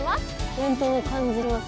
伝統を感じます。